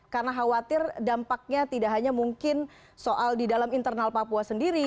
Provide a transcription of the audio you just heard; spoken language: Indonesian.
karena khawatir dampaknya tidak hanya mungkin soal di dalam internal papua sendiri